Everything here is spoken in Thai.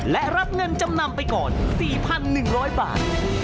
และรับเงินจำนำไปก่อน๔๑๐๐บาท